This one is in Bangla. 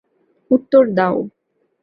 উত্তর দাও।